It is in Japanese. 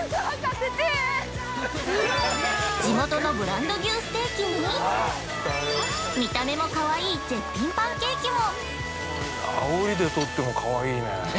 ◆地元のブランド牛ステーキに見た目もかわいい絶品パンケーキも！